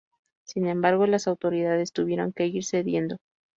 Sin embargo las autoridades tuvieron que ir cediendo.